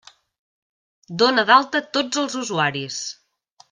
Dona d'alta tots els usuaris!